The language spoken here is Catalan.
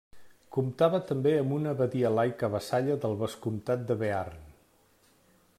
Comptava també amb una abadia laica vassalla del vescomtat de Bearn.